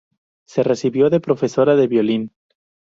Se recibió de profesora de violín.